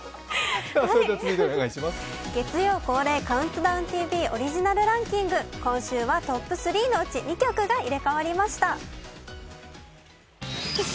月曜恒例「ＣＤＴＶ」オリジナルランキング、今週はトップ３のうち２曲が入れ代わりました。